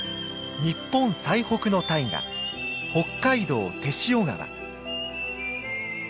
日本最北の大河北海道天塩川。